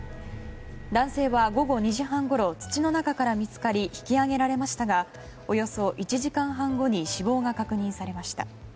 男性は午後２時半ごろ土の中から見つかり引き上げられましたがおよそ１時間半後に死亡が確認されました。